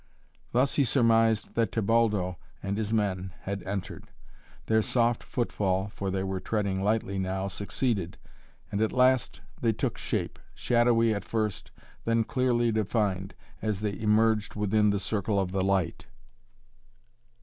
Thus he surmised that Tebaldo and his men had entered. Their soft foot fall, for they were treading lightly now, succeeded, and at last they took shape, shadowy at first, then clearly defined, as they emerged within the circle of the light.